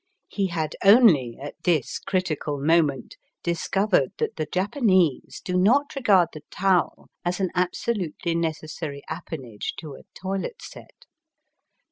He had only at this critical moment discovered that the Japanese do not regard the towel as an absolutely necessary appanage to a toilet set.